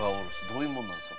どういうものなんですか？